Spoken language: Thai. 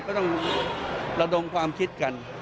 ก็ต้องระดมความคิดกัน